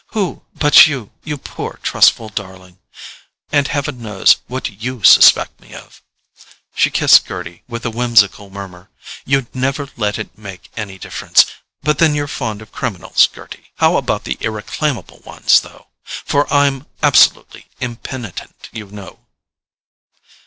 Who, but you, you poor trustful darling? And heaven knows what YOU suspect me of!" She kissed Gerty with a whimsical murmur. "You'd never let it make any difference—but then you're fond of criminals, Gerty! How about the irreclaimable ones, though? For I'm absolutely impenitent, you know."